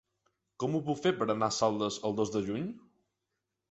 Com ho puc fer per anar a Saldes el dos de juny?